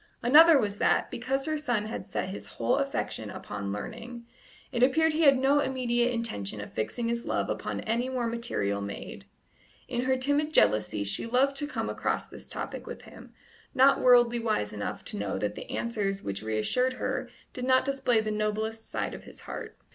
Another was that, because her son had set his whole affection upon learning, it appeared he had no immediate intention of fixing his love upon any more material maid. In her timid jealousy she loved to come across this topic with him, not worldly wise enough to know that the answers which reassured her did not display the noblest side of his heart.